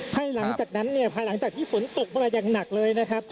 ภายหลังจากนั้นเนี่ยภายหลังจากที่ฝนตกมาอย่างหนักเลยนะครับ